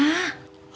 ajan sudra ajan